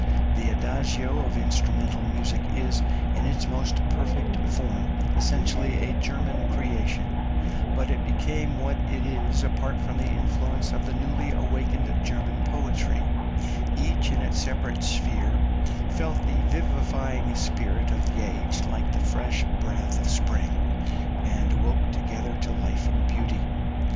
The Adagio of instrumental music is, in its most perfect form, essentially a German creation, but it became what it is apart from the influence of the newly awakened German poetry; each in its separate sphere felt the vivifying spirit of the age like the fresh breath of spring, and awoke together to life and beauty.